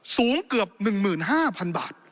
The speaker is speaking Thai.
สูงเกือบ๑๕๐๐๐บาท